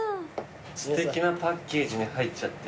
すてきなパッケージに入っちゃって。